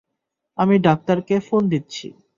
আমি ডাক্তারকে ফোন দিচ্ছি!